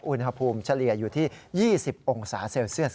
อุณหภูมิเฉลี่ยอยู่ที่๒๐องศาเซลเซียส